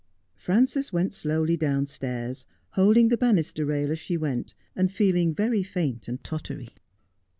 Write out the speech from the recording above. Frances went slowly downstairs, holding the banister rail as she went, and feeling very faint and tottery.